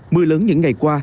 mưa lớn những ngày qua